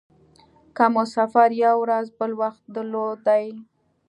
که مو سفر یوه ورځ بل وخت درلودلای.